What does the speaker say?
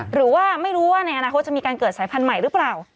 หรือว่าไม่รู้ว่าในอนาคตจะมีการเกิดสายพันธุ์ใหม่หรือเปล่า